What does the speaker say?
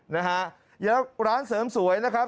นะฮะแล้วร้านเสริมสวยนะครับ